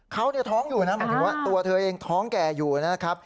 เขาท้องอยู่นะหมายถึงว่าตัวเธอเองท้องแก่อยู่นะครับ